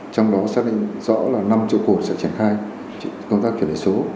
trong đó xác định rõ là năm chỗ cổ sẽ triển khai công tác chuyển đổi số